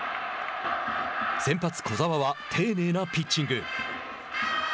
先発小澤は丁寧なピッチング。